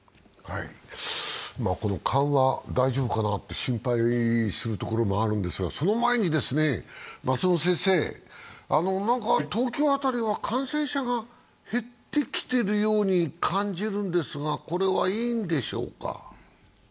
この緩和、大丈夫かなと心配するところもあるんですがその前に松本先生、東京辺りは感染者が減ってきてるように感じるんですがこれはいいんでしょうか？